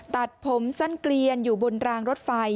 ตัดผมสั้นเกลียนอยู่บนรางรถไฟ